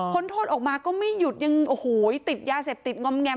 โทษออกมาก็ไม่หยุดยังโอ้โหติดยาเสพติดงอมแงม